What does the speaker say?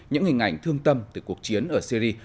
những hình ảnh thương tâm từ cuộc chiến ở syri